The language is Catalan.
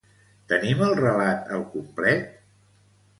Tenim el relat al complet?